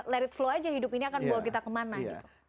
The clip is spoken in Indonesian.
let it flow aja hidup ini akan bawa kita kemana gitu